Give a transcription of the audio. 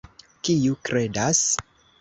Kiu kredas?